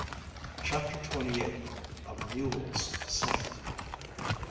CHAPTER TWENTY EIGHT. A MULE'S SCENT.